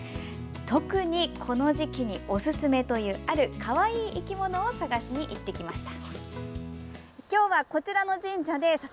特に、この時期におすすめというあるかわいい生き物を探しにいってきました。